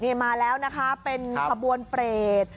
นี่มาแล้วนะคะเป็นขบวนเปรต